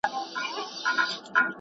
اداري ژمنې باید عملي شي.